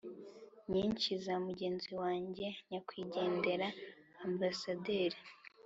nyinshi za mugenzi wanjye nyakwigendera amabasaderi